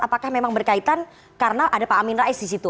apakah memang berkaitan karena ada pak amin rais disitu